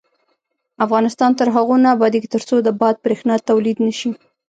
افغانستان تر هغو نه ابادیږي، ترڅو د باد بریښنا تولید نشي.